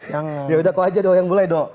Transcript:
jangan yaudah kau aja doh yang mulai doh